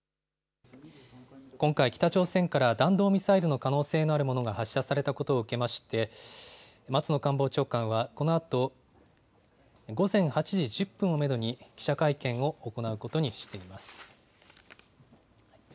今回、北朝鮮から弾道ミサイルの可能性のあるものが発射されたことを受けまして、松野官房長官はこのあと午前８時１０分をメドに、記者会見を行うことにしています。